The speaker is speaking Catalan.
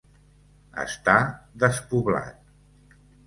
Està despoblat.